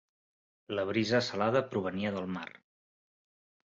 La brisa salada provenia del mar.